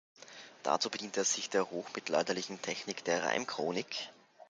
Dazu bediente er sich der hochmittelalterlichen Technik der Reimchronik.